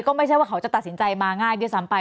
ก็ไม่ใช่ว่าเขาจะตัดสินใจมาง่ายด้วยซ้ำไป